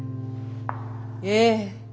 ええ。